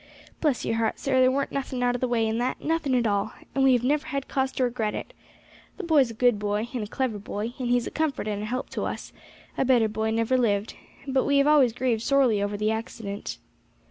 Bless your heart, sir, there weren't nothing out of the way in that, nothing at all, and we have never had cause to regret it. The boy's a good boy, and a clever boy, and he is a comfort and a help to us; a better boy never lived. But we have always grieved sorely over the accident."